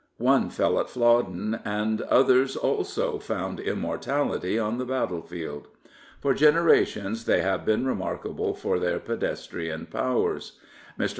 One fell at Flodden, and others also found immortality on the battlefield. For generations they have been remarkable for their pedestrian powers. Mr.